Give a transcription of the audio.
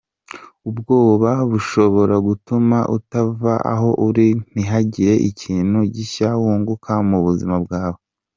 Ubwoba bushobora gutuma utava aho uri, ntihagire ikintu gishya wunguka mu buzima bwawe.